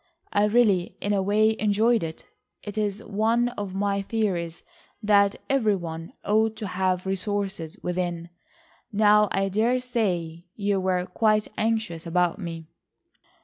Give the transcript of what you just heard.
I really in a way enjoyed it. It is one of my theories that every one ought to have resources within. Now I dare say you were quite anxious about me."